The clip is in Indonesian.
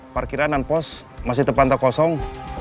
parkiran non post masih terpantau kosong